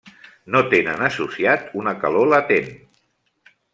No tenen associat una calor latent.